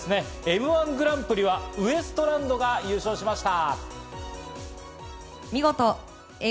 Ｍ−１グランプリはウエストランドが優勝しました。